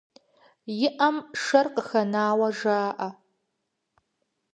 И Ӏэм шэр къыхэнауэ жаӀэ.